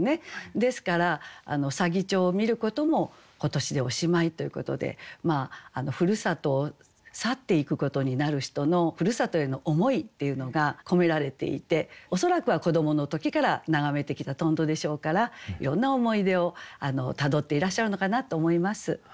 ですから左義長を見ることも今年でおしまいということで故郷を去っていくことになる人の故郷への思いっていうのが込められていて恐らくは子どもの時から眺めてきたとんどでしょうからいろんな思い出をたどっていらっしゃるのかなと思います。